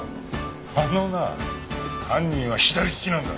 あのな犯人は左利きなんだ。